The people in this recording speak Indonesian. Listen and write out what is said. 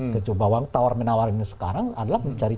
kecuali menawarinya sekarang adalah mencari